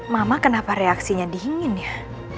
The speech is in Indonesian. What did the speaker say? mama kenapa reaksinya dingin ya